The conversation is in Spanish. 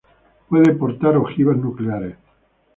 Puede portar ojivas nucleares.